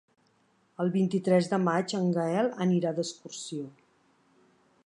El vint-i-tres de maig en Gaël anirà d'excursió.